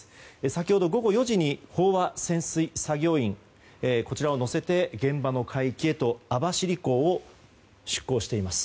先ほど午後４時に飽和潜水作業員を乗せて現場の海域へと網走港を出港しています。